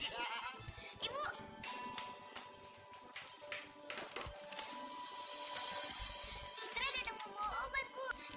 citra datang mau bawa obat bu